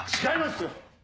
違いますよ！